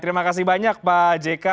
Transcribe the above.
terima kasih banyak pak jk